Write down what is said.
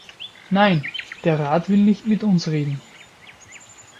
Nein, der Rat will nicht mit uns reden.